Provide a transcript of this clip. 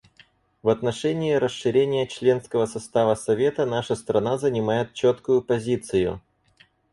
В отношении расширения членского состава Совета наша страна занимает четкую позицию.